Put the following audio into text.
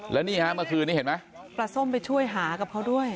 แล้วนี่ฮะเมื่อคืนนี้เห็นไหมปลาส้มไปช่วยหากับเขาด้วย